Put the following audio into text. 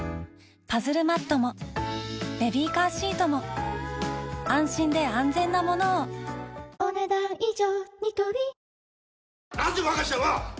パズルマットもベビーカーシートも安心で安全なものをお、ねだん以上。